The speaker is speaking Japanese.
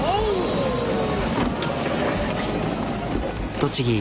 栃木